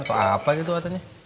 atau apa gitu katanya